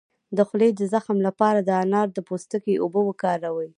د خولې د زخم لپاره د انار د پوستکي اوبه وکاروئ